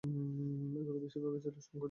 এগুলোর বেশির ভাগই ছিল সংকর জাত।